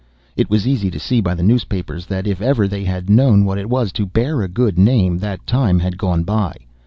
It was easy to see by the newspapers that if ever they had known what it was to bear a good name, that time had gone by.